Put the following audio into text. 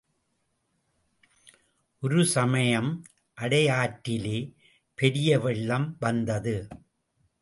ஒரு சமயம் அடையாற்றிலே பெரிய வெள்ளம் வந்தது.